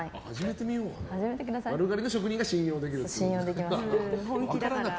丸刈りの職人が信用できるという。